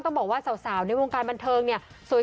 ต้องบอกว่าสาวในวงการบรรเทิงเนี่ย